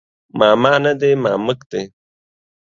ماما نه دی مامک دی